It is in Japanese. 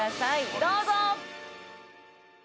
どうぞ！